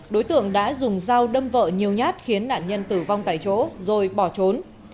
đối tượng đã dùng dao đâm vợ nhiều nhát khiến nạn nhân tử vong tại chỗ rồi bỏ trốn